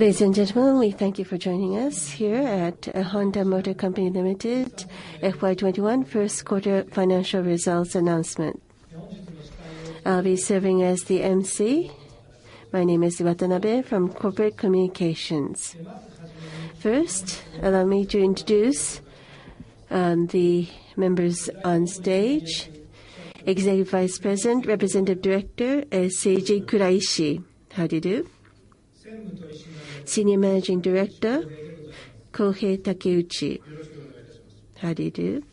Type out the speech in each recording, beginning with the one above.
Ladies and gentlemen, we thank you for joining us here at Honda Motor Co., Ltd.'s FY 2021 first quarter financial results announcement. I'll be serving as the emcee. My name is Watanabe from Corporate Communications. Allow me to introduce the members on stage. Executive Vice President, Representative Director, Seiji Kuraishi. How do you do? Senior Managing Director, Kohei Takeuchi. How do you do?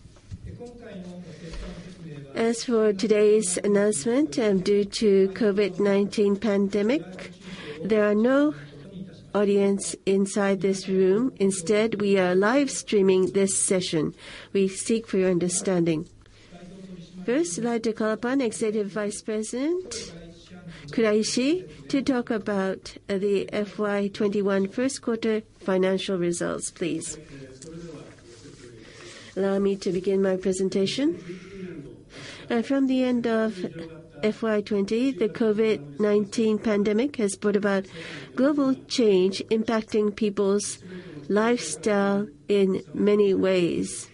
As for today's announcement, due to COVID-19 pandemic, there are no audience inside this room. Instead, we are live streaming this session. We seek your understanding. I'd like to call upon Executive Vice President Kuraishi to talk about the FY 2021 first quarter financial results, please. Allow me to begin my presentation. From the end of FY 2020, the COVID-19 pandemic has brought about global change, impacting people's lifestyle in many ways.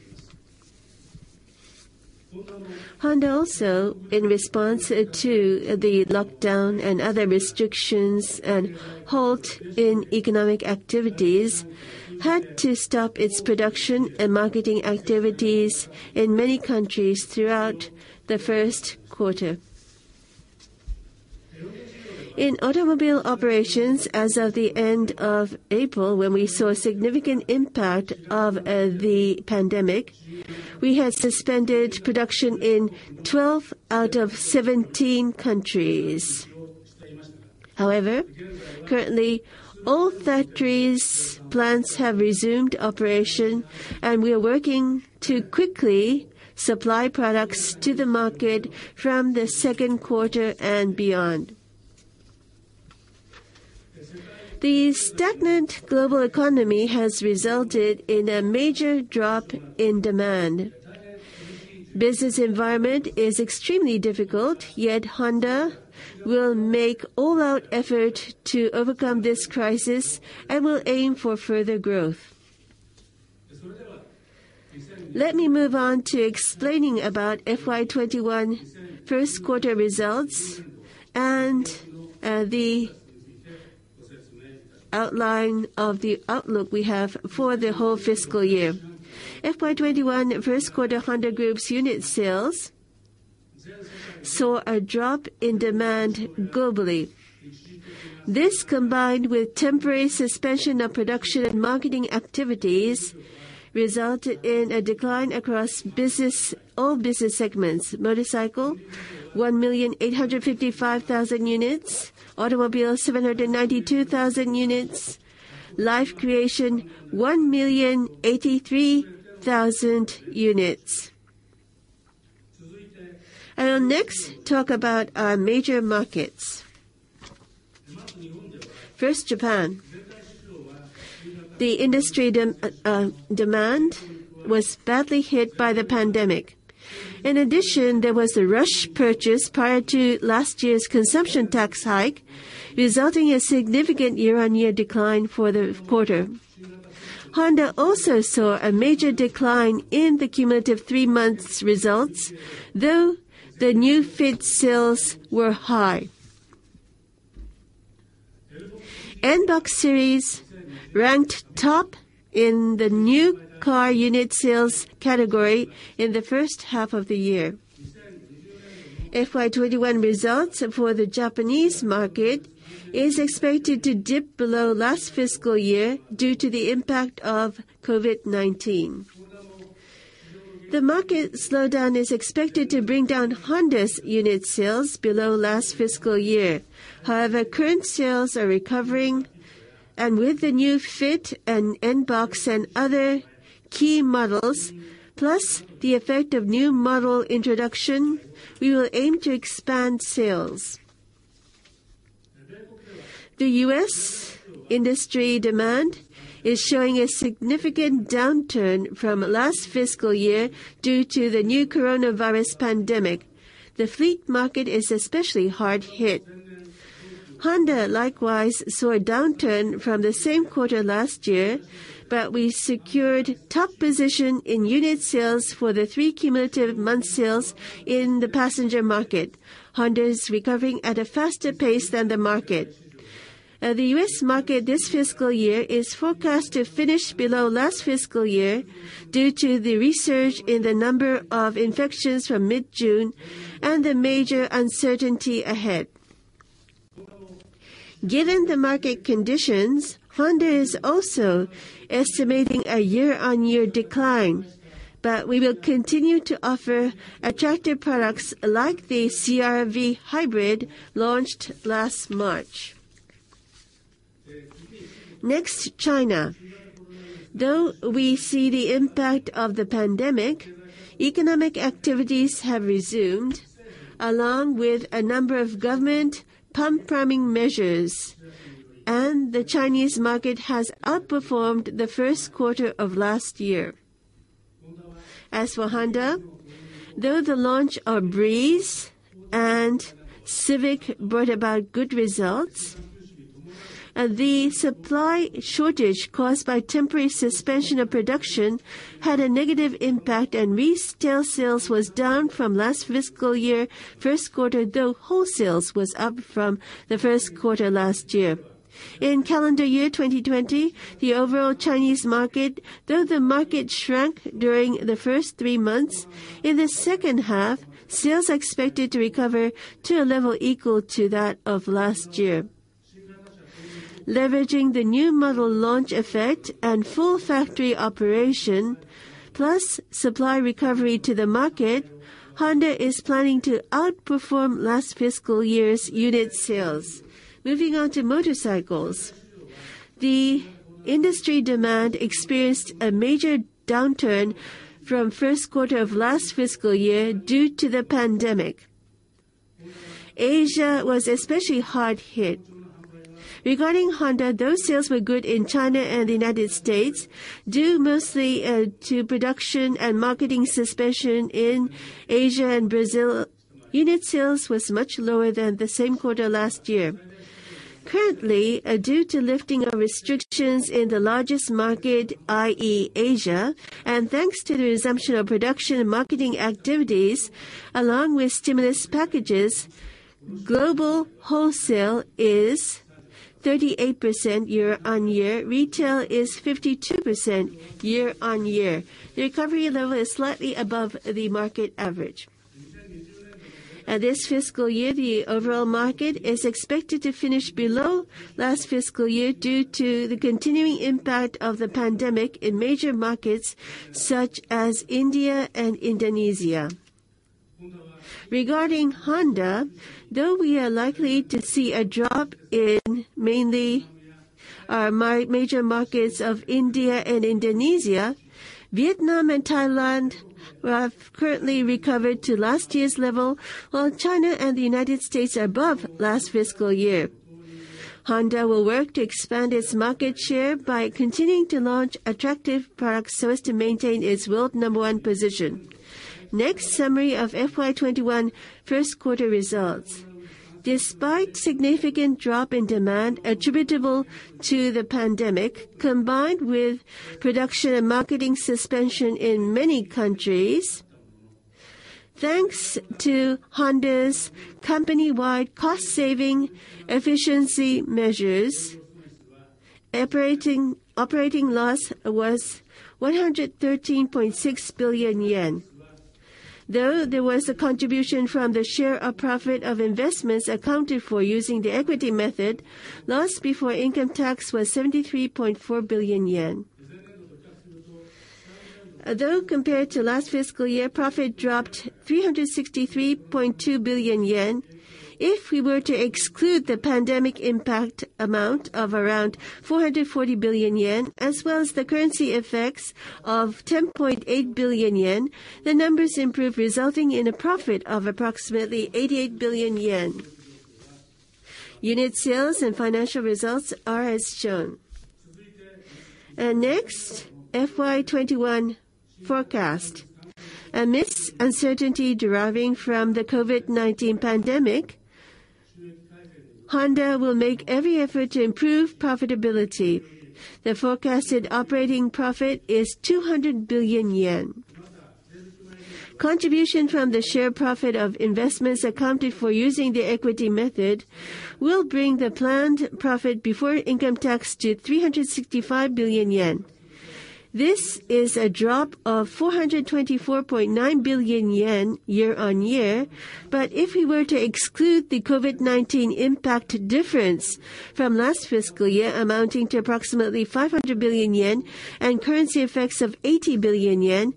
Honda also, in response to the lockdown and other restrictions and halt in economic activities, had to stop its production and marketing activities in many countries throughout the first quarter. In automobile operations, as of the end of April, when we saw a significant impact of the pandemic, we had suspended production in 12 out of 17 countries. Currently, all factories, plants have resumed operation, and we are working to quickly supply products to the market from the second quarter and beyond. The stagnant global economy has resulted in a major drop in demand. Business environment is extremely difficult, yet Honda will make all-out effort to overcome this crisis and will aim for further growth. Let me move on to explaining about FY 2021 first quarter results and the outline of the outlook we have for the whole fiscal year. FY 2021 first quarter Honda Group's unit sales saw a drop in demand globally. This, combined with temporary suspension of production and marketing activities, resulted in a decline across all business segments. Motorcycle, 1,855,000 units, automobile, 792,000 units, Life Creation, 1,083,000 units. I'll next talk about our major markets. First, Japan. The industry demand was badly hit by the pandemic. In addition, there was a rush purchase prior to last year's consumption tax hike, resulting in a significant year-on-year decline for the quarter. Honda also saw a major decline in the cumulative three months results, though the new Fit sales were high. N-BOX series ranked top in the new car unit sales category in the first half of the year. FY 2021 results for the Japanese market is expected to dip below last fiscal year due to the impact of COVID-19. The market slowdown is expected to bring down Honda's unit sales below last fiscal year. However, current sales are recovering, and with the new Fit and N-BOX and other key models, plus the effect of new model introduction, we will aim to expand sales. The U.S. industry demand is showing a significant downturn from last fiscal year due to the new coronavirus pandemic. The fleet market is especially hard hit. Honda, likewise, saw a downturn from the same quarter last year, but we secured top position in unit sales for the three cumulative month sales in the passenger market. Honda is recovering at a faster pace than the market. The U.S. market this fiscal year is forecast to finish below last fiscal year due to the research in the number of infections from mid-June and the major uncertainty ahead. Given the market conditions, Honda is also estimating a year-on-year decline, but we will continue to offer attractive products like the CR-V hybrid launched last March. Next, China. Though we see the impact of the pandemic, economic activities have resumed, along with a number of government pump-priming measures, and the Chinese market has outperformed the first quarter of last year. As for Honda, though the launch of Breeze and Civic brought about good results, the supply shortage caused by temporary suspension of production had a negative impact, and retail sales was down from last fiscal year first quarter, though wholesales was up from the first quarter last year. In calendar year 2020, the overall Chinese market, though the market shrank during the first three months, in the second half, sales are expected to recover to a level equal to that of last year. Leveraging the new model launch effect and full factory operation, plus supply recovery to the market, Honda is planning to outperform last fiscal year's unit sales. Moving on to motorcycles. The industry demand experienced a major downturn from first quarter of last fiscal year due to the pandemic. Asia was especially hard hit. Regarding Honda, though sales were good in China and the United States, due mostly to production and marketing suspension in Asia and Brazil, unit sales was much lower than the same quarter last year. Currently, due to lifting of restrictions in the largest market, i.e., Asia, and thanks to the resumption of production and marketing activities, along with stimulus packages, global wholesale is 38% year-on-year. Retail is 52% year-on-year. The recovery level is slightly above the market average. This fiscal year, the overall market is expected to finish below last fiscal year due to the continuing impact of the pandemic in major markets such as India and Indonesia. Regarding Honda, though we are likely to see a drop in mainly our major markets of India and Indonesia, Vietnam and Thailand have currently recovered to last year's level, while China and the United States are above last fiscal year. Honda will work to expand its market share by continuing to launch attractive products so as to maintain its world number one position. Next, summary of FY 2021 first quarter results. Despite significant drop in demand attributable to the pandemic, combined with production and marketing suspension in many countries, thanks to Honda's company-wide cost saving efficiency measures, operating loss was 113.6 billion yen. There was a contribution from the share of profit of investments accounted for using the equity method, loss before income tax was 73.4 billion yen. Compared to last fiscal year, profit dropped 363.2 billion yen. If we were to exclude the pandemic impact amount of around 440 billion yen, as well as the currency effects of 10.8 billion yen, the numbers improve, resulting in a profit of approximately 88 billion yen. Unit sales and financial results are as shown. Next, FY 2021 forecast. Amidst uncertainty deriving from the COVID-19 pandemic, Honda will make every effort to improve profitability. The forecasted operating profit is 200 billion yen. Contribution from the share profit of investments accounted for using the equity method will bring the planned profit before income tax to 365 billion yen. This is a drop of 424.9 billion yen year-on-year. If we were to exclude the COVID-19 impact difference from last fiscal year amounting to approximately 500 billion yen and currency effects of 80 billion yen,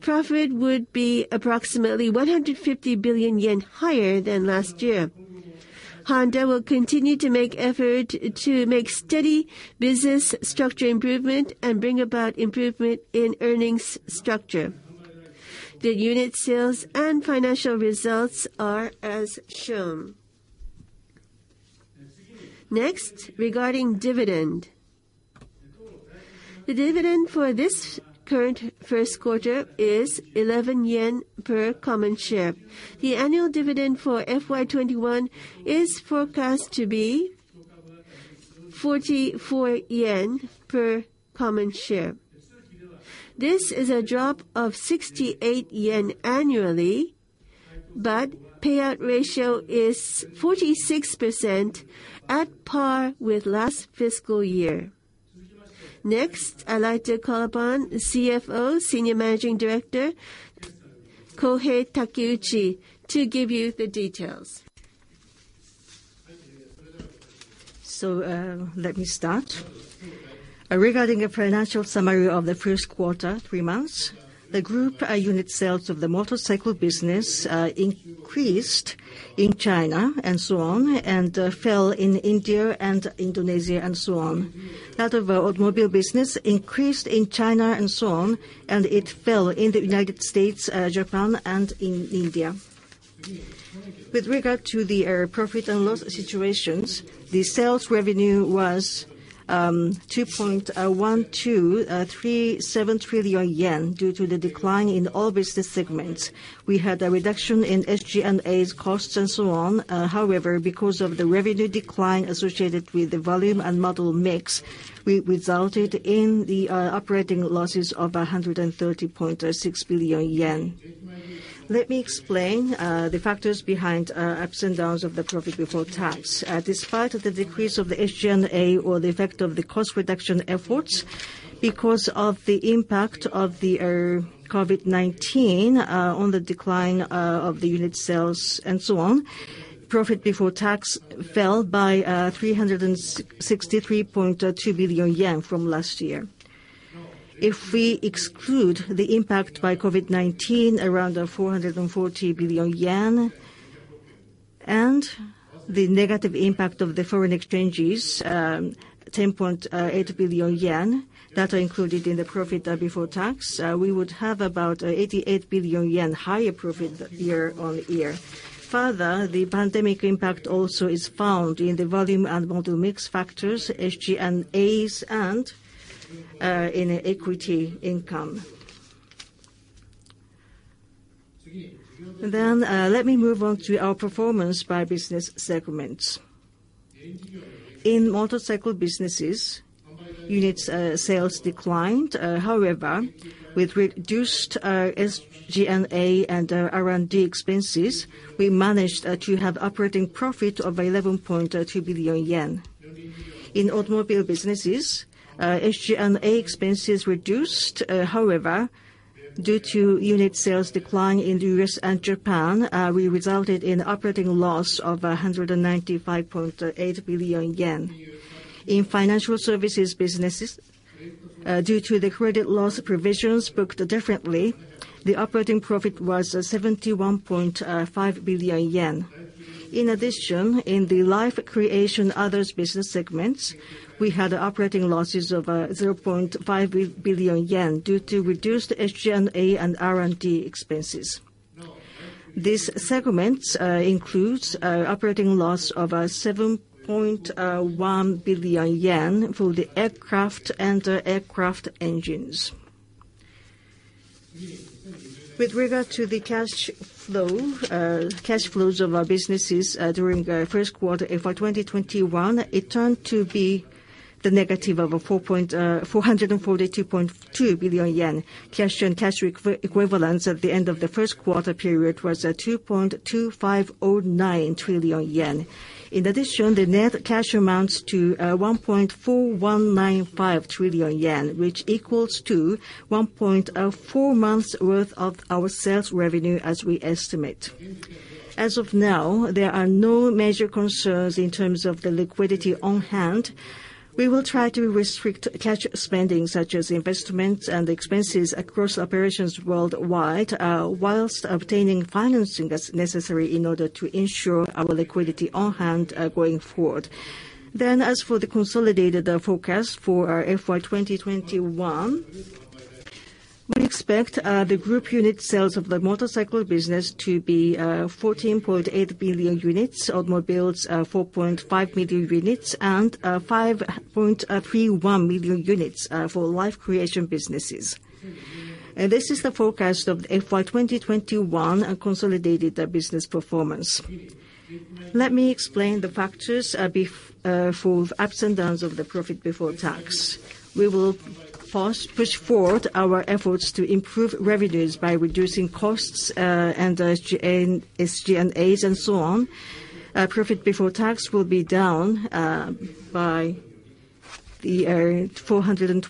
profit would be approximately 150 billion yen higher than last year. Honda will continue to make effort to make steady business structure improvement and bring about improvement in earnings structure. The unit sales and financial results are as shown. Next, regarding dividend. The dividend for this current first quarter is 11 yen per common share. The annual dividend for FY 2021 is forecast to be 44 yen per common share. This is a drop of 68 yen annually, but payout ratio is 46%, at par with last fiscal year. Next, I'd like to call upon CFO, Senior Managing Director Kohei Takeuchi, to give you the details. Let me start. Regarding a financial summary of the first quarter, three months, the group unit sales of the motorcycle business increased in China and so on, and fell in India and Indonesia and so on. That of our automobile business increased in China and so on, and it fell in the U.S., Japan, and in India. With regard to the profit and loss situations, the sales revenue was 2.1237 trillion yen due to the decline in all business segments. We had a reduction in SG&A costs and so on. Because of the revenue decline associated with the volume and model mix, we resulted in the operating losses of 113.6 billion yen. Let me explain the factors behind ups and downs of the profit before tax. Despite the decrease of the SG&A or the effect of the cost reduction efforts, because of the impact of the COVID-19 on the decline of the unit sales and so on, profit before tax fell by 363.2 billion yen from last year. If we exclude the impact by COVID-19, around 440 billion yen, and the negative impact of the foreign exchanges, 10.8 billion yen, that are included in the profit before tax, we would have about 88 billion yen higher profit year-on-year. The pandemic impact also is found in the volume and model mix factors, SG&As, and in equity income. Let me move on to our performance by business segments. In motorcycle businesses, unit sales declined. With reduced SG&A and R&D expenses, we managed to have operating profit of 11.2 billion yen. In automobile businesses, SG&A expenses reduced. Due to unit sales decline in the U.S. and Japan, we resulted in operating loss of 195.8 billion yen. In financial services businesses, due to the credit loss provisions booked differently, the operating profit was 71.5 billion yen. In the life creation others business segments, we had operating losses of 0.5 billion yen due to reduced SG&A and R&D expenses. These segments includes operating loss of 7.1 billion yen for the aircraft and aircraft engines. With regard to the cash flows of our businesses during first quarter FY 2021, it turned to be the negative of 442.2 billion yen. Cash and cash equivalents at the end of the first quarter period was 2.2509 trillion yen. The net cash amounts to 1.4195 trillion yen, which equals to 1.4 months worth of our sales revenue, as we estimate. As of now, there are no major concerns in terms of the liquidity on hand. We will try to restrict cash spending, such as investments and expenses across operations worldwide, whilst obtaining financing as necessary in order to ensure our liquidity on hand going forward. As for the consolidated forecast for our FY 2021, we expect the group unit sales of the motorcycle business to be 14.8 million units. Automobiles, 4.5 million units. 5.31 million units for life creation businesses. This is the forecast of FY 2021 consolidated business performance. Let me explain the factors for ups and downs of the profit before tax. We will push forward our efforts to improve revenues by reducing costs and SG&A, and so on. Profit before tax will be down by 424.9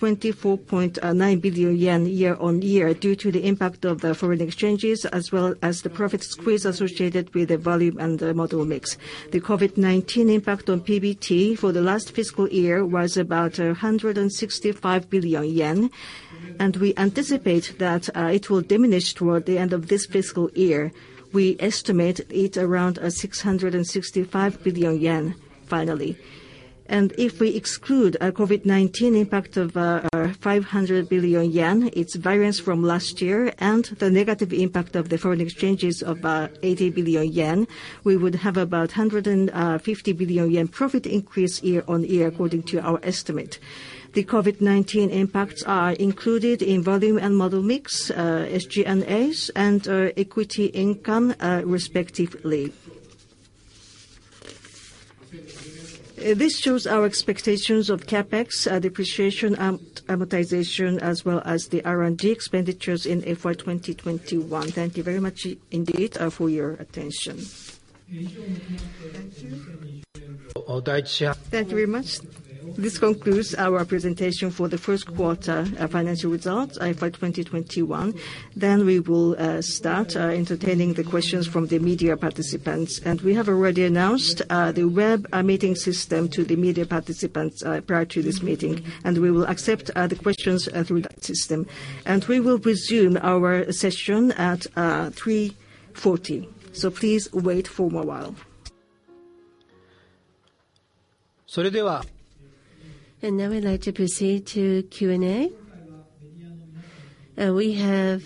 billion yen year-on-year due to the impact of the foreign exchanges, as well as the profit squeeze associated with the volume and the model mix. The COVID-19 impact on PBT for the last fiscal year was about 165 billion yen. We anticipate that it will diminish toward the end of this fiscal year. We estimate it around 665 billion yen finally. If we exclude COVID-19 impact of 500 billion yen, its variance from last year, and the negative impact of the foreign exchanges of 80 billion yen, we would have about 150 billion yen profit increase year-on-year according to our estimate. The COVID-19 impacts are included in volume and model mix, SG&A, and equity income, respectively. This shows our expectations of CapEx, depreciation, amortization, as well as the R&D expenditures in FY 2021. Thank you very much indeed for your attention. Thank you. Thank you very much. This concludes our presentation for the first quarter financial results, FY 2021. We will start entertaining the questions from the media participants. We have already announced the web meeting system to the media participants prior to this meeting, and we will accept the questions through that system. We will resume our session at 3:40 P.M. Please wait for a while. Now I'd like to proceed to Q&A. We have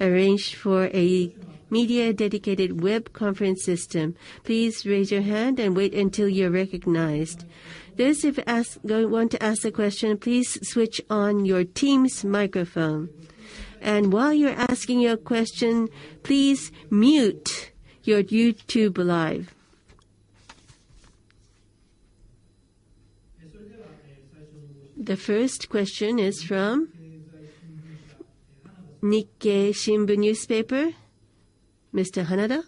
arranged for a media-dedicated web conference system. Please raise your hand and wait until you're recognized. Those who want to ask the question, please switch on your Teams microphone. While you're asking your question, please mute your YouTube Live. The first question is from Nikkei Shimbun, Mr. Hanada.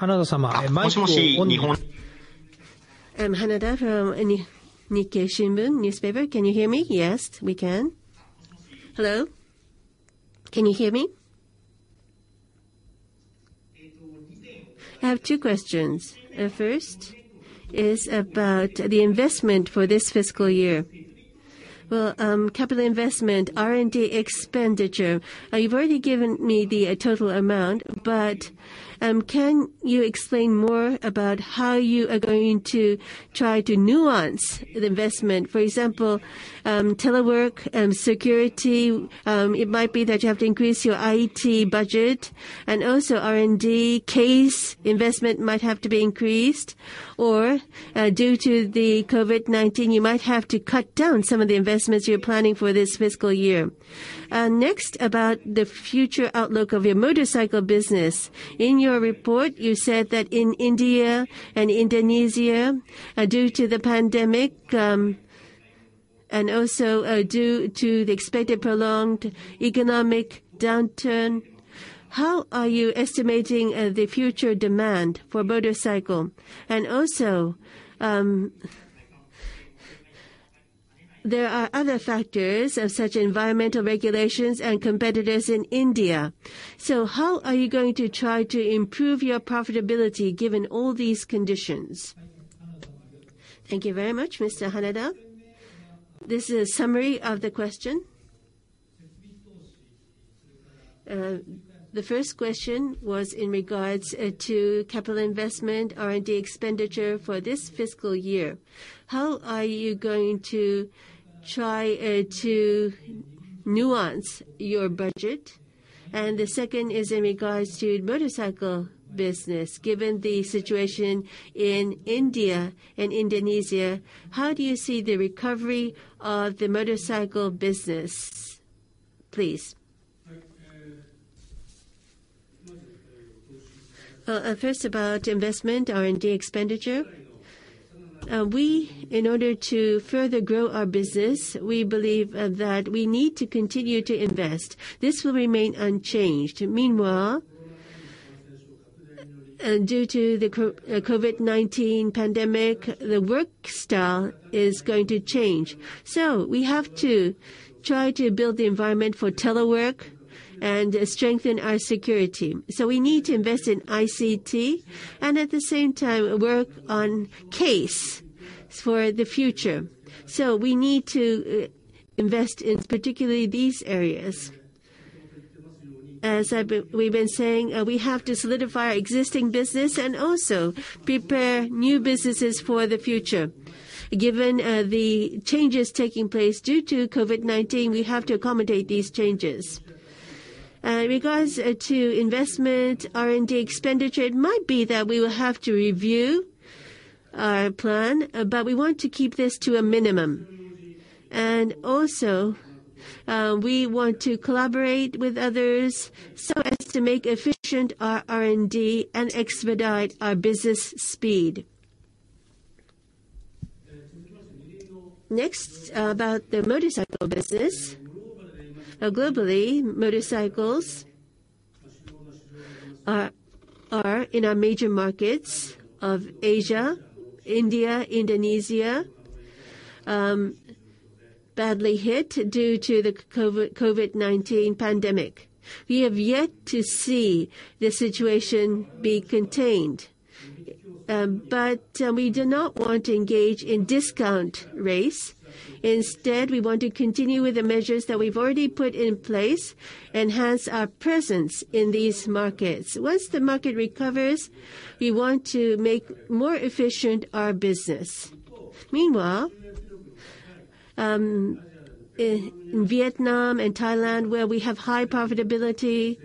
Hanada-sama, mic on. I'm Hanada from Nikkei Shimbun. Can you hear me? Yes, we can. Hello, can you hear me? I have two questions. First is about the investment for this fiscal year. Well, capital investment, R&D expenditure, you've already given me the total amount, but can you explain more about how you are going to try to nuance the investment? For example, telework, security, it might be that you have to increase your IT budget, and also R&D CASE investment might have to be increased. Due to the COVID-19, you might have to cut down some of the investments you're planning for this fiscal year. About the future outlook of your motorcycle business. In your report, you said that in India and Indonesia, due to the pandemic, and also due to the expected prolonged economic downturn, how are you estimating the future demand for motorcycle? There are other factors, such as environmental regulations and competitors in India. How are you going to try to improve your profitability given all these conditions? Thank you very much, Mr. Hanada. This is a summary of the question. The first question was in regards to capital investment, R&D expenditure for this fiscal year. How are you going to try to nuance your budget? The second is in regards to motorcycle business. Given the situation in India and Indonesia, how do you see the recovery of the motorcycle business? Please. First, about investment, R&D expenditure. We, in order to further grow our business, we believe that we need to continue to invest. This will remain unchanged. Meanwhile, due to the COVID-19 pandemic, the work style is going to change. We have to try to build the environment for telework and strengthen our security. We need to invest in ICT, and at the same time, work on CASE for the future. We need to invest in particularly these areas. As we've been saying, we have to solidify our existing business and also prepare new businesses for the future. Given the changes taking place due to COVID-19, we have to accommodate these changes. In regards to investment, R&D expenditure, it might be that we will have to review our plan. We want to keep this to a minimum. Also, we want to collaborate with others so as to make efficient our R&D and expedite our business speed. Next, about the motorcycle business. Globally, motorcycles are, in our major markets of Asia, India, Indonesia, badly hit due to the COVID-19 pandemic. We have yet to see the situation be contained. We do not want to engage in discount race. Instead, we want to continue with the measures that we've already put in place, enhance our presence in these markets. Once the market recovers, we want to make more efficient our business. Meanwhile, in Vietnam and Thailand, where we have high profitability,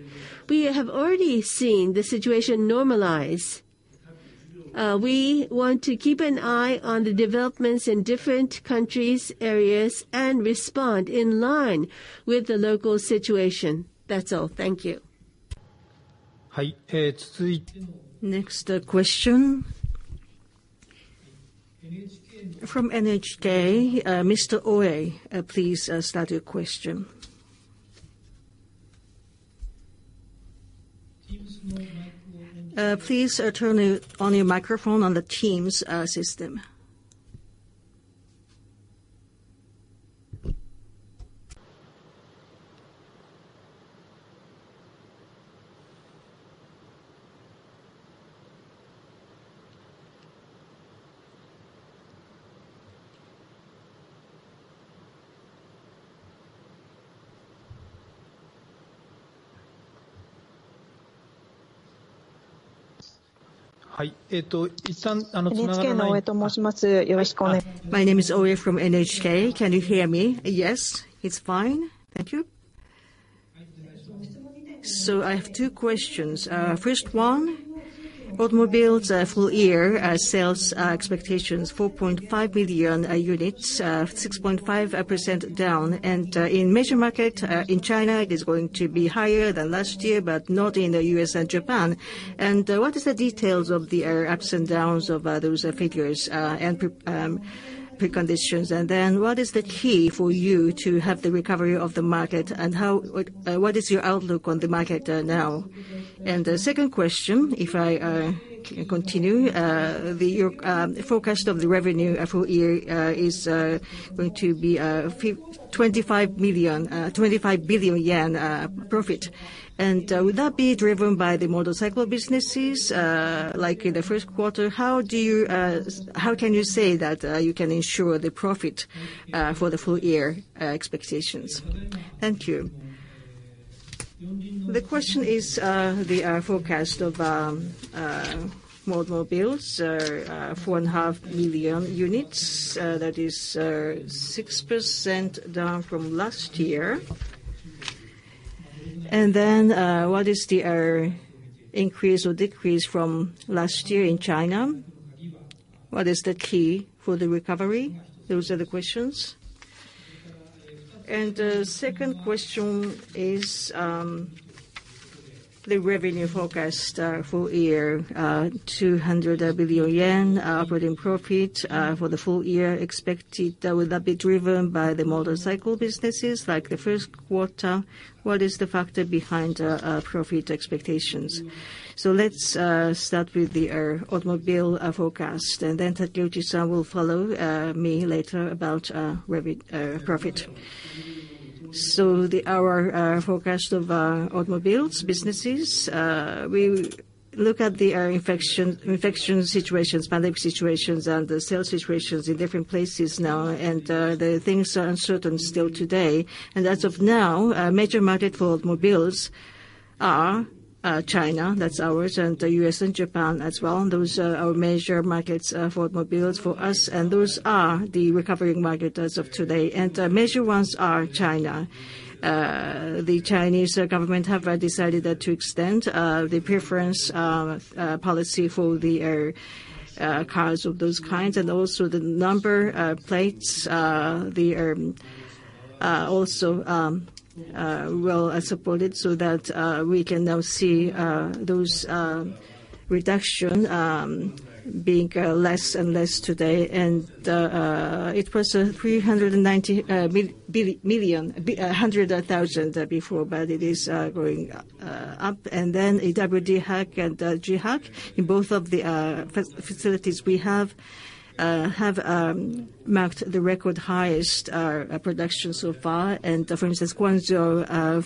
we have already seen the situation normalize. We want to keep an eye on the developments in different countries, areas, and respond in line with the local situation. That's all. Thank you. Next question. From NHK, Mr. Ooe, please start your question. Please turn on your microphone on the Teams system. My name is Ooe from NHK. Can you hear me? Yes, it's fine. Thank you. I have two questions. First one, automobiles full year sales expectations, 4.5 million units, 6.5% down. In major market, in China, it is going to be higher than last year, but not in the U.S. and Japan. What is the details of the ups and downs of those figures, and preconditions? What is the key for you to have the recovery of the market and what is your outlook on the market now? The second question, if I continue, your forecast of the revenue full year is going to be 200 billion yen profit. Would that be driven by the motorcycle businesses, like in the first quarter? How can you say that you can ensure the profit for the full year expectations? Thank you. The question is the forecast of automobiles, 4.5 million units, that is 6% down from last year. What is the increase or decrease from last year in China? What is the key for the recovery? Those are the questions. The second question is, the revenue forecast full year, 200 billion yen, operating profit for the full year expected. Will that be driven by the motorcycle businesses like the first quarter? What is the factor behind profit expectations? Let's start with the automobile forecast, and then Seiji Kuraishi-san will follow me later about profit. Our forecast of automobiles, businesses, we look at the infection situations, pandemic situations, and the sales situations in different places now, and the things are uncertain still today. As of now, major market for automobiles are China, that's ours, and the U.S. and Japan as well. Those are our major markets for automobiles for us, those are the recovering market as of today. Major ones are China. The Chinese government have decided to extend the preference policy for the cars of those kinds and also the number of plates. They are also well supported so that we can now see those reduction being less and less today. It was 39,000,000 before, but it is going up. At [WD-HIC and JHIC], in both of the facilities we have marked the record highest production so far. For instance, Guangzhou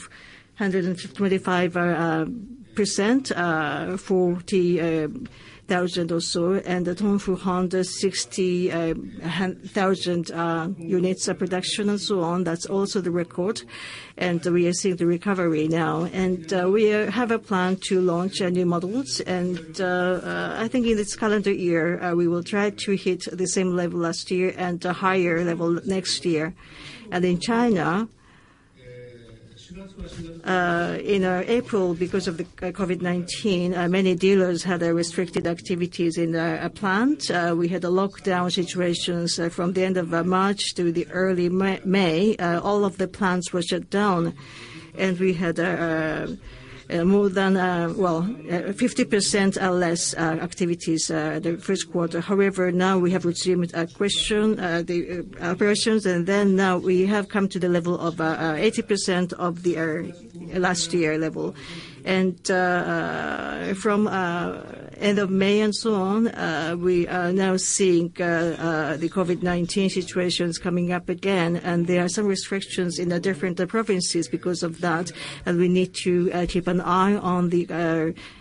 of 125%, 40,000, and at [Hong Fu], 60,000 units production and so on. That's also the record. We are seeing the recovery now. We have a plan to launch new models. I think in this calendar year, we will try to hit the same level last year and a higher level next year. In China, in April, because of the COVID-19, many dealers had restricted activities in their plant. We had a lockdown situations from the end of March through the early May. All of the plants were shut down, and we had more than 50% less activities the first quarter. However, now we have resumed operations, and then now we have come to the level of 80% of last year level. From end of May and so on, we are now seeing the COVID-19 situations coming up again, and there are some restrictions in the different provinces because of that. We need to keep an eye on the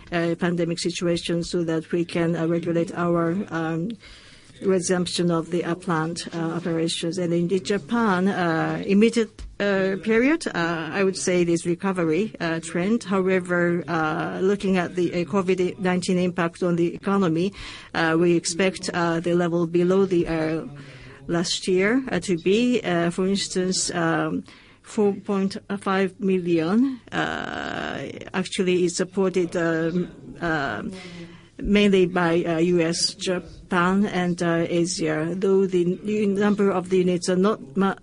pandemic situation so that we can regulate our resumption of the plant operations. In Japan, immediate period, I would say it is recovery trend. Looking at the COVID-19 impact on the economy, we expect the level below last year to be, for instance, 4.5 million units. Actually, it's supported mainly by U.S., Japan, and Asia, though the number of the units are not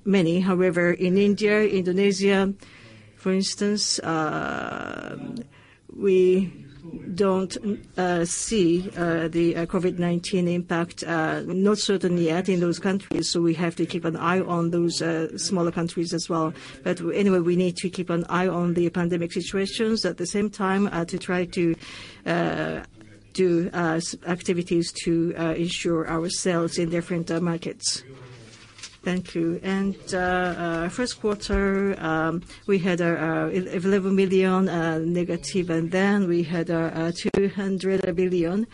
many. In India, Indonesia, for instance, we don't see the COVID-19 impact, not certainly yet in those countries, so we have to keep an eye on those smaller countries as well. Anyway, we need to keep an eye on the pandemic situations, at the same time, to try to do activities to ensure ourselves in different markets. Thank you. First quarter, we had 11 million negative, and then we had 200 billion,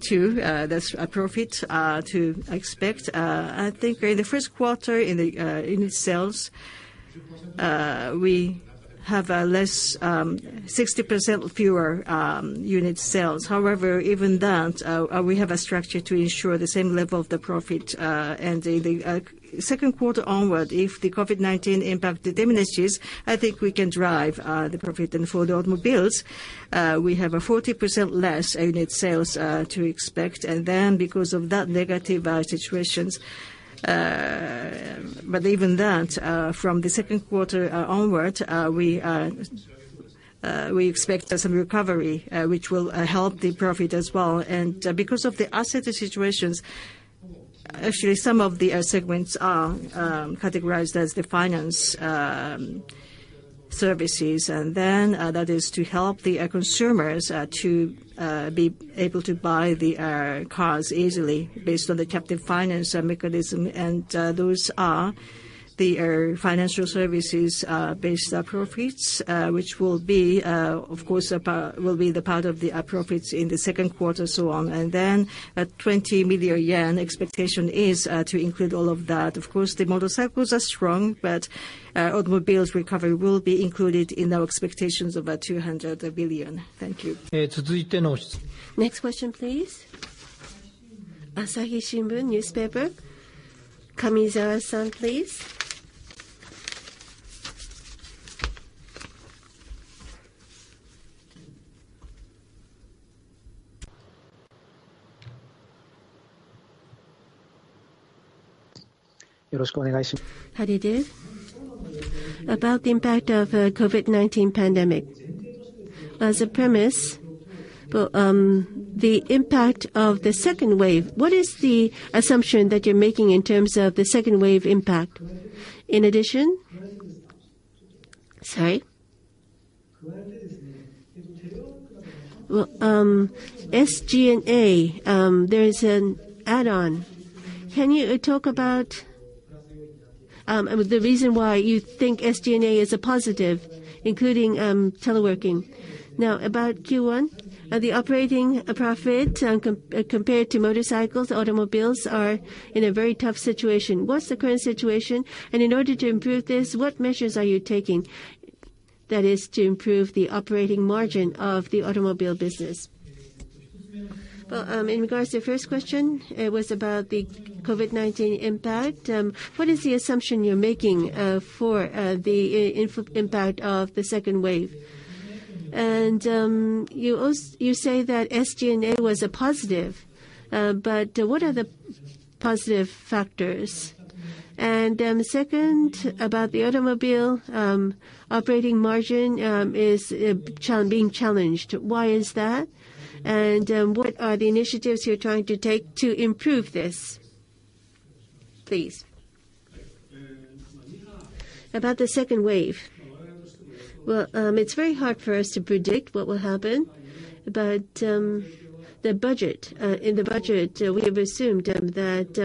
too. That's appropriate to expect. I think in the first quarter in sales, we have 60% fewer unit sales. However, even that, we have a structure to ensure the same level of the profit. The second quarter onward, if the COVID-19 impact diminishes, I think we can drive the profit. For the automobiles, we have a 40% less unit sales to expect because of that negative situations. Even that, from the second quarter onward, we expect some recovery, which will help the profit as well. Because of the asset situations, actually, some of the segments are categorized as the finance services. That is to help the consumers to be able to buy the cars easily based on the captive finance mechanism. Those are the financial services based profits, which will be the part of the profits in the second quarter. A 20 billion yen expectation is to include all of that. Of course, the motorcycles are strong, but automobiles recovery will be included in our expectations of 200 billion. Thank you. Next question, please. Asahi Shimbun newspaper, Kamizawa-san, please. How do you do? About the impact of COVID-19 pandemic. As a premise, the impact of the second wave, what is the assumption that you're making in terms of the second wave impact? In addition. Well, SG&A, there is an add-on. Can you talk about the reason why you think SG&A is a positive, including teleworking? Now, about Q1. The operating profit compared to motorcycles, automobiles are in a very tough situation. What's the current situation, and in order to improve this, what measures are you taking that is to improve the operating margin of the automobile business? Well, in regards to your first question, it was about the COVID-19 impact. What is the assumption you're making for the impact of the second wave? You say that SG&A was a positive, but what are the positive factors? The second, about the automobile operating margin is being challenged. Why is that? What are the initiatives you're trying to take to improve this? Please. About the second wave. Well, it's very hard for us to predict what will happen. In the budget, we have assumed that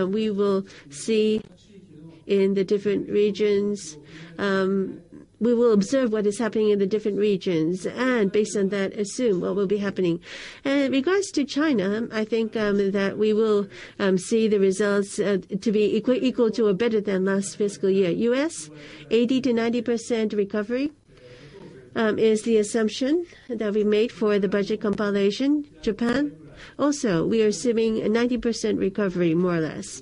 we will observe what is happening in the different regions, and based on that, assume what will be happening. In regards to China, I think that we will see the results to be equal to or better than last fiscal year. U.S., 80%-90% recovery is the assumption that we made for the budget compilation. Japan, also, we are assuming a 90% recovery, more or less.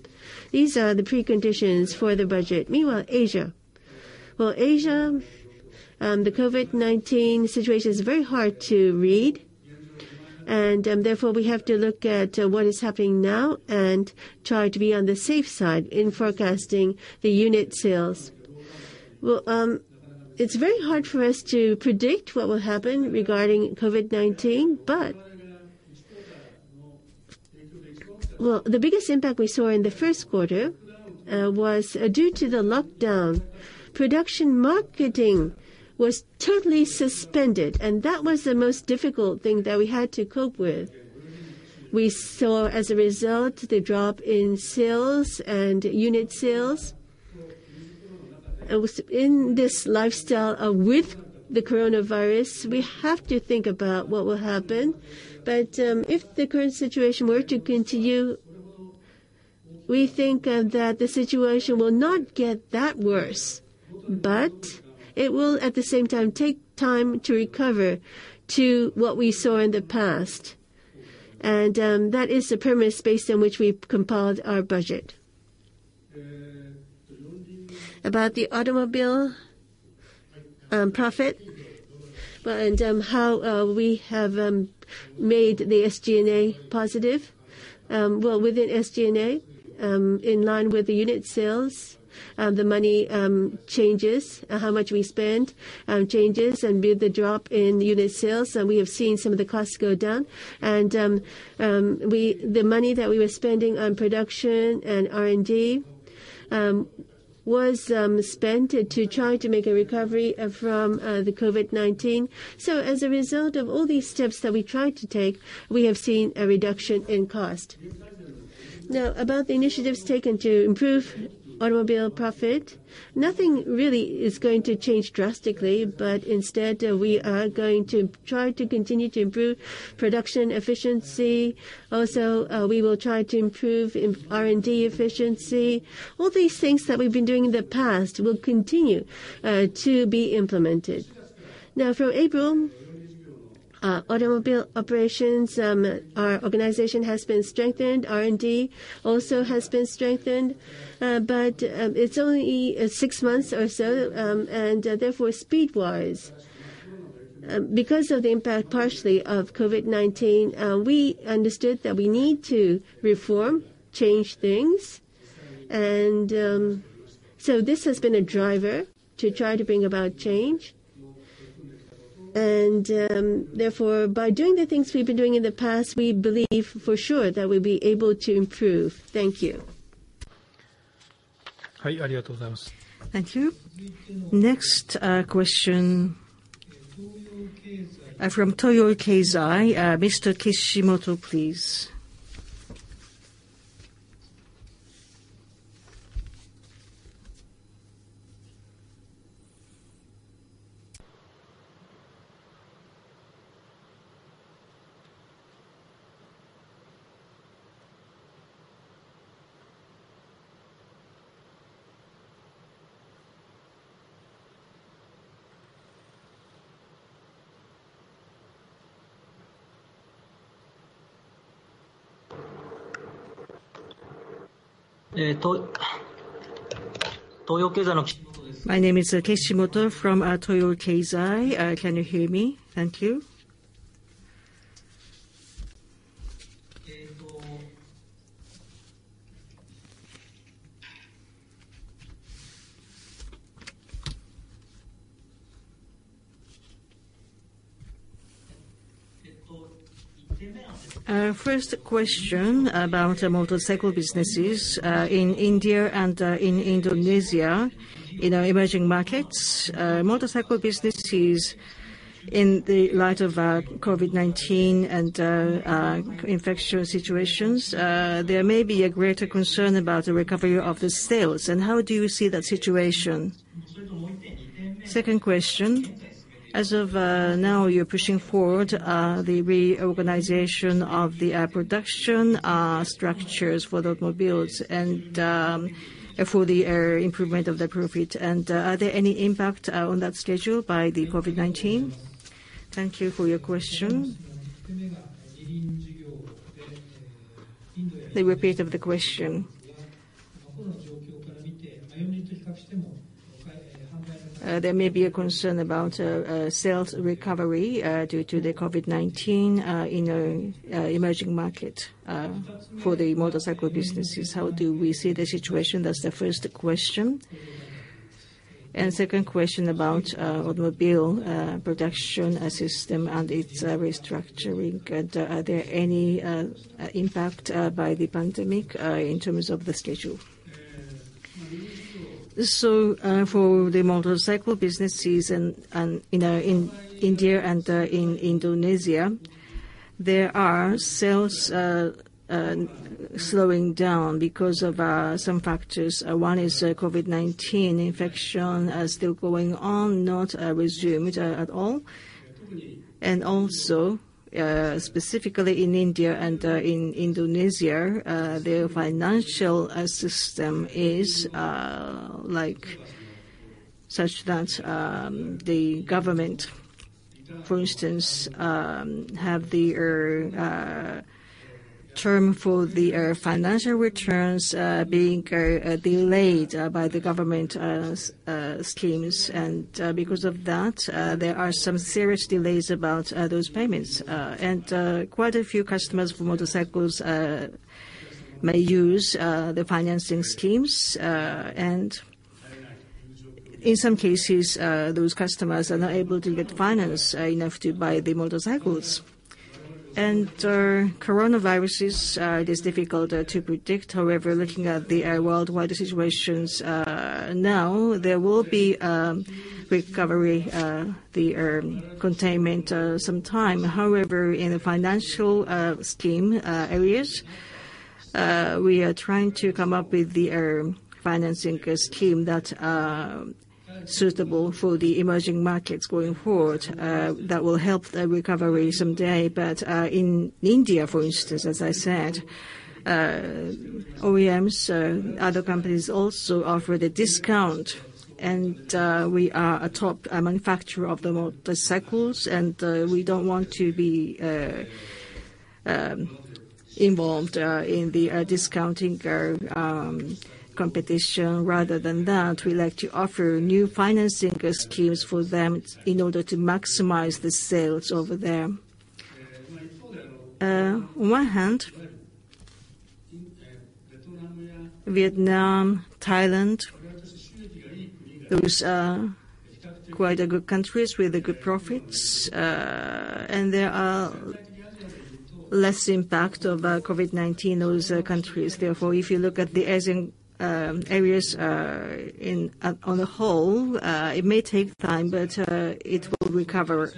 These are the preconditions for the budget. Asia. Asia, the COVID-19 situation is very hard to read, and therefore we have to look at what is happening now and try to be on the safe side in forecasting the unit sales. It's very hard for us to predict what will happen regarding COVID-19, but the biggest impact we saw in the first quarter was due to the lockdown. Production marketing was totally suspended, and that was the most difficult thing that we had to cope with. We saw, as a result, the drop in sales and unit sales. In this lifestyle with the coronavirus, we have to think about what will happen. If the current situation were to continue, we think that the situation will not get that worse. It will, at the same time, take time to recover to what we saw in the past. That is the premise based on which we compiled our budget. About the automobile profit and how we have made the SG&A positive. Within SG&A, in line with the unit sales, the money changes, how much we spend changes. With the drop in unit sales, we have seen some of the costs go down. The money that we were spending on production and R&D was spent to try to make a recovery from the COVID-19. As a result of all these steps that we tried to take, we have seen a reduction in cost. About the initiatives taken to improve automobile profit, nothing really is going to change drastically, but instead, we are going to try to continue to improve production efficiency. We will try to improve R&D efficiency. All these things that we've been doing in the past will continue to be implemented. From April, automobile operations, our organization has been strengthened. R&D also has been strengthened. It's only six months or so, and therefore, speed-wise, because of the impact partially of COVID-19, we understood that we need to reform, change things, and so this has been a driver to try to bring about change. Therefore, by doing the things we've been doing in the past, we believe for sure that we'll be able to improve. Thank you. Thank you. Next question from Toyo Keizai. Mr. Kishimoto, please. My name is Kishimoto from Toyo Keizai. Can you hear me? Thank you. First question about motorcycle businesses. In India and in Indonesia, emerging markets motorcycle businesses in the light of COVID-19 and infectious situations, there may be a greater concern about the recovery of the sales. How do you see that situation? Second question. As of now, you're pushing forward the reorganization of the production structures for the automobiles and for the improvement of the profit. Are there any impact on that schedule by the COVID-19? Thank you for your question. The repeat of the question. There may be a concern about sales recovery due to the COVID-19 in the emerging market for the motorcycle businesses. How do we see the situation? That's the first question. Second question about automobile production system and its restructuring. Are there any impact by the pandemic in terms of the schedule? For the motorcycle businesses in India and in Indonesia, there are sales slowing down because of some factors. One is COVID-19 infection are still going on, not resumed at all. Also, specifically in India and in Indonesia, their financial system is such that the government, for instance, have the term for the financial returns being delayed by the government schemes. Because of that, there are some serious delays about those payments. Quite a few customers for motorcycles may use the financing schemes. In some cases, those customers are not able to get finance enough to buy the motorcycles. Coronaviruses, it is difficult to predict. However, looking at the worldwide situations now, there will be recovery, the containment, some time. In the financial scheme areas, we are trying to come up with the financing scheme that suitable for the emerging markets going forward that will help the recovery someday. In India, for instance, as I said, OEMs, other companies also offer the discount, and we are a top manufacturer of the motorcycles, and we don't want to be. Involved in the discounting competition. Rather than that, we like to offer new financing schemes for them in order to maximize the sales over there. On one hand, Vietnam, Thailand, those are quite good countries with good profits, and there are less impact of COVID-19 on those countries. Therefore, if you look at the ASEAN areas on a whole, it may take time, but it will recover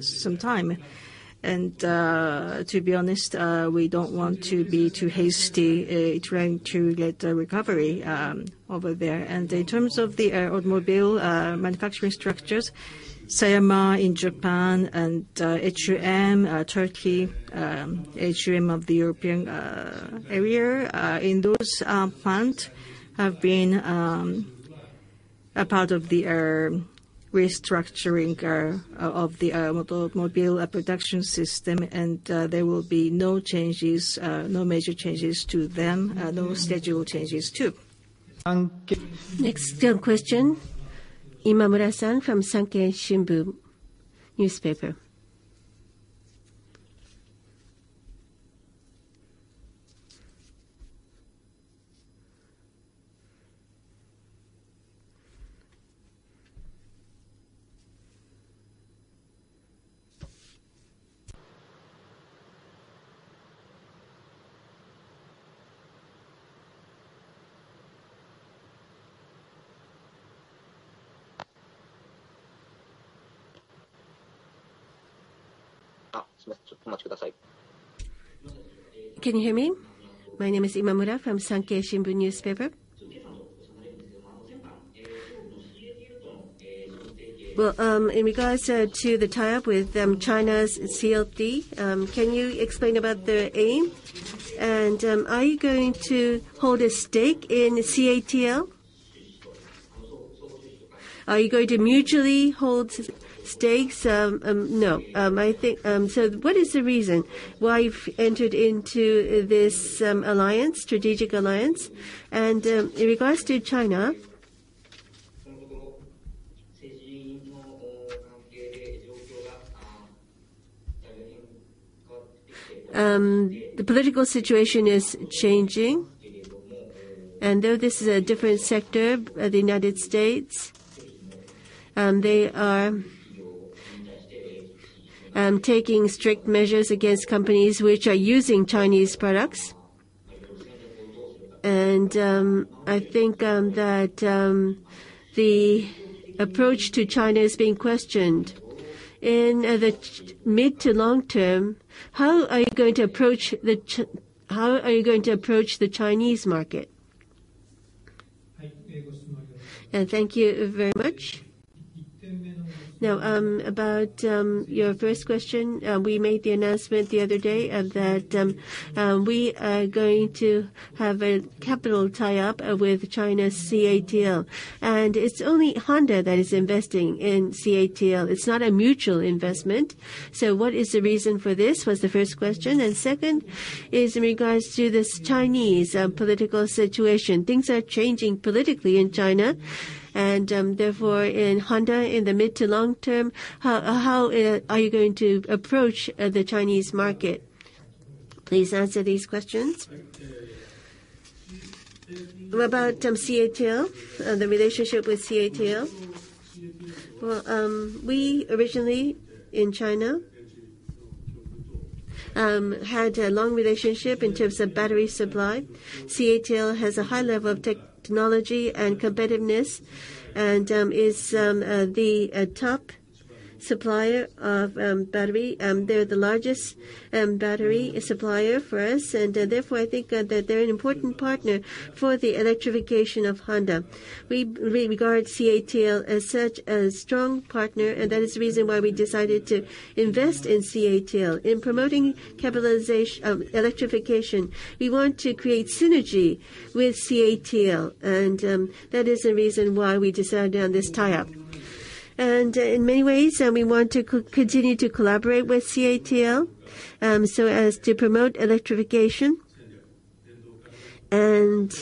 some time. To be honest, we don't want to be too hasty trying to get recovery over there. In terms of the automobile manufacturing structures, Sayama in Japan and HUM Turkey, HUM of the European area, those plants have been a part of the restructuring of the automobile production system, and there will be no major changes to them. No schedule changes, too. Next question. Imamura-san from Sankei Shimbun. Can you hear me? My name is Imamura from Sankei Shimbun. In regards to the tie-up with China's CATL, can you explain about the aim? Are you going to hold a stake in CATL? Are you going to mutually hold stakes? No. What is the reason why you've entered into this strategic alliance? In regards to China, the political situation is changing, and though this is a different sector, the United States, they are taking strict measures against companies which are using Chinese products. I think that the approach to China is being questioned. In the mid to long term, how are you going to approach the Chinese market? Thank you very much. About your first question, we made the announcement the other day that we are going to have a capital tie-up with China's CATL, and it's only Honda that is investing in CATL. It's not a mutual investment. What is the reason for this was the first question, and second is in regards to this Chinese political situation. Things are changing politically in China and, therefore, in Honda, in the mid to long term, how are you going to approach the Chinese market? Please answer these questions. About CATL, the relationship with CATL. Well, we originally, in China, had a long relationship in terms of battery supply. CATL has a high level of technology and competitiveness and is the top supplier of battery. They're the largest battery supplier for us, and therefore, I think that they're an important partner for the electrification of Honda. We regard CATL as such a strong partner. That is the reason why we decided to invest in CATL. In promoting electrification, we want to create synergy with CATL, and that is the reason why we decided on this tie-up. In many ways, we want to continue to collaborate with CATL, so as to promote electrification and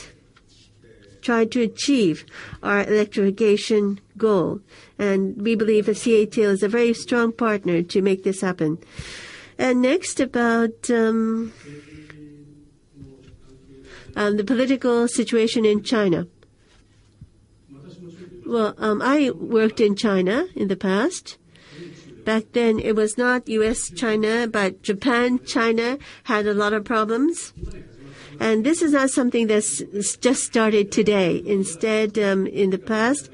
try to achieve our electrification goal. We believe that CATL is a very strong partner to make this happen. Next, about the political situation in China. Well, I worked in China in the past. Back then, it was not U.S., China, but Japan, China had a lot of problems. This is not something that's just started today. In the past,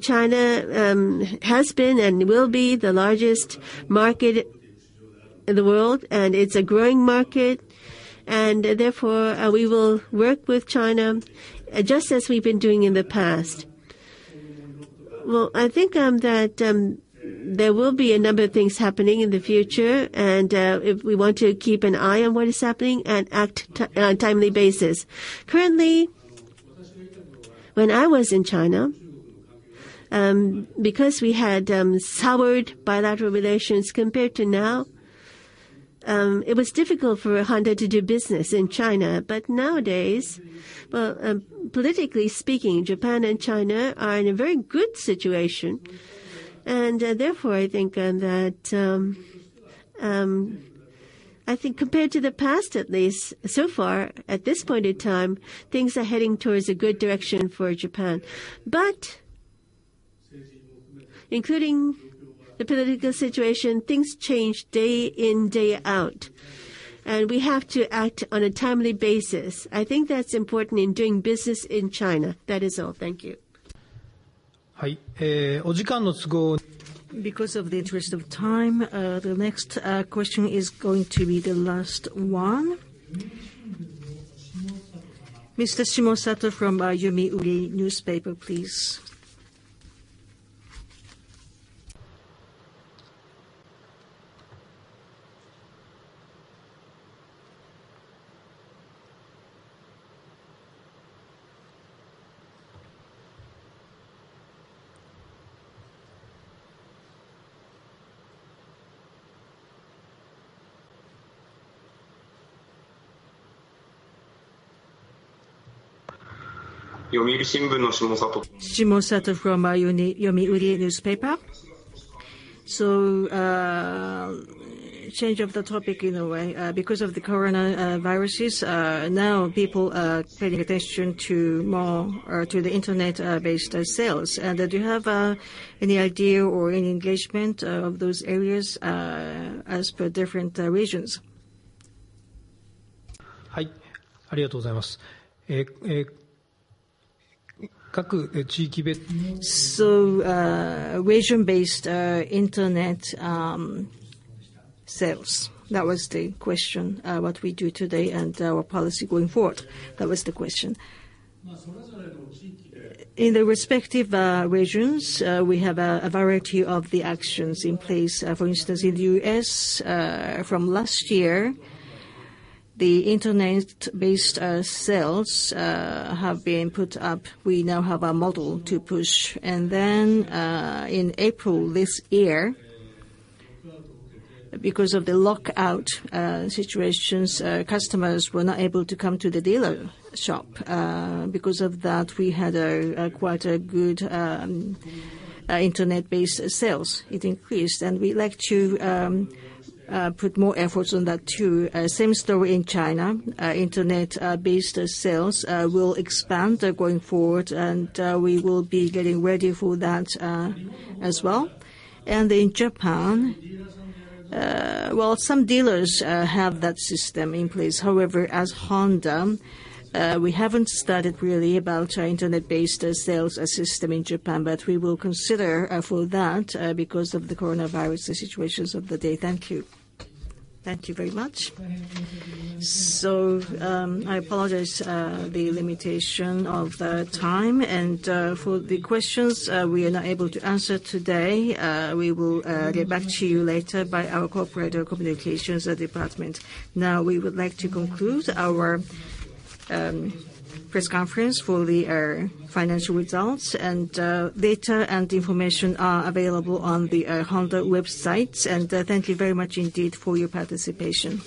China has been and will be the largest market in the world. It's a growing market. Therefore, we will work with China, just as we've been doing in the past. I think that there will be a number of things happening in the future. We want to keep an eye on what is happening and act on a timely basis. Currently, when I was in China. Because we had soured bilateral relations compared to now, it was difficult for Honda to do business in China. Nowadays, politically speaking, Japan and China are in a very good situation. Therefore, I think that compared to the past, at least so far, at this point in time, things are heading towards a good direction for Japan. Including the political situation, things change day in, day out, and we have to act on a timely basis. I think that's important in doing business in China. That is all. Thank you. Because of the interest of time, the next question is going to be the last one. Mr. Shimosato from Yomiuri Newspaper, please. Shimosato from Yomiuri Newspaper. Change of the topic in a way. Because of the COVID-19, now people are paying attention more to the internet-based sales. Do you have any idea or any engagement of those areas as per different regions? Region-based internet sales. That was the question, what we do today and our policy going forward. That was the question. In the respective regions, we have a variety of the actions in place. For instance, in the U.S., from last year, the internet-based sales have been put up. We now have a model to push. In April this year, because of the lockout situations, customers were not able to come to the dealer shop. Because of that, we had quite good internet-based sales. It increased, and we'd like to put more efforts on that, too. Same story in China. Internet-based sales will expand going forward, and we will be getting ready for that as well. In Japan, some dealers have that system in place. However, as Honda, we haven't started really about our internet-based sales system in Japan, but we will consider that because of the coronavirus situations of the day. Thank you. Thank you very much. I apologize for the limitation of time and for the questions we are not able to answer today. We will get back to you later by our Corporate Communications Department. Now, we would like to conclude our press conference for the financial results. Data and information are available on the honda website. Thank you very much indeed for your participation.